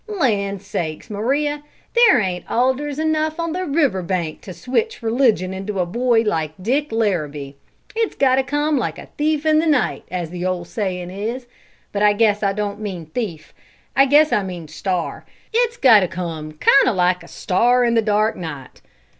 "Land sakes, Maria! There ain't alders enough on the river bank to switch religion into a boy like Dick Larrabee. It's got to come like a thief in the night, as the ol' sayin' is, but I guess I don't mean thief, I guess I mean star: it's got to come kind o' like a star in a dark night.